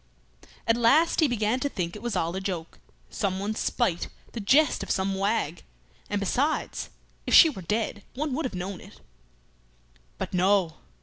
At last he began to think it was all a joke; someone's spite, the jest of some wag; and besides, if she were dead, one would have known it. But no!